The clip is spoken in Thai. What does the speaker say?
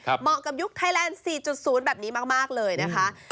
เหมาะกับยุคไทยแลนด์๔๐แบบนี้มากเลยนะคะ